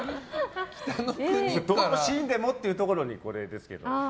どのシーンでもというところでは×ですけど。